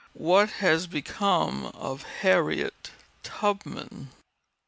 "What has become of Harriet Tubman?"